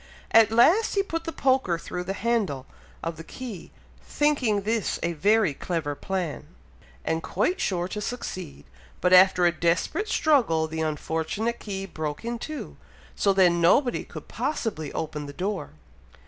At last he put the poker through the handle of the key, thinking this a very clever plan, and quite sure to succeed, but after a desperate struggle, the unfortunate key broke in two, so then nobody could possibly open the door!